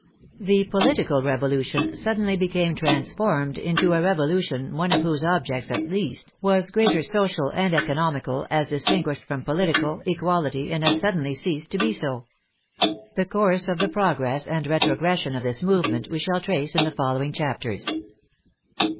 The political revolution suddenly be came transformed into a revolution one of whose objects at least was greater social and economical, as distin guished from political, equality, and as suddenly ceased to be so. The course of the progress and retrogression of this movement we shall trace in the following chapters.